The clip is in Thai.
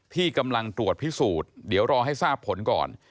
ที่กำลังตรวจพิสูจน์เดี๋ยวรอให้ทราบผลก่อน